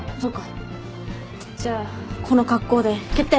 じゃあこの格好で決定！